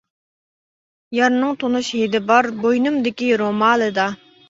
يارنىڭ تونۇش ھىدى بار، بوينۇمدىكى رومالدا!